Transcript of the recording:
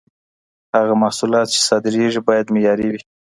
هغه محصولات چي صادرېږي، بايد معياري وي.